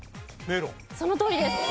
そのとおりです。